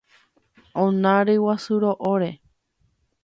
ona ryguasu ro'óre